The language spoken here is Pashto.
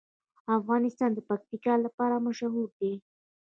افغانستان د پکتیکا لپاره مشهور دی.